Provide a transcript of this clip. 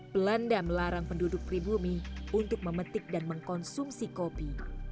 belanda melarang penduduk pribumi untuk memetik dan mengkonsumsi kopi